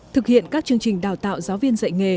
thực hiện các chương trình đào tạo giáo viên dạy nghề